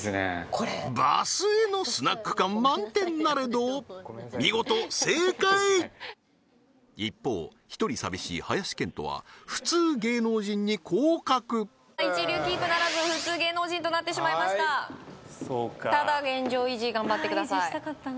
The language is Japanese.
これ場末のスナック感満点なれど見事正解一方一人寂しい林遣都は普通芸能人に降格一流キープならず普通芸能人となってしまいましたそうかただ現状維持頑張ってください